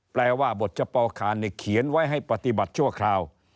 แปลว่าบทเฉพาะเขียนไว้ให้ปฏิบัติชั่วคราว